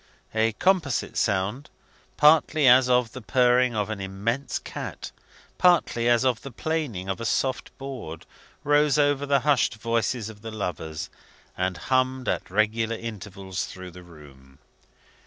A composite sound, partly as of the purring of an immense cat, partly as of the planing of a soft board, rose over the hushed voices of the lovers, and hummed at regular intervals through the room.